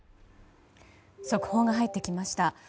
速報が入ってきました。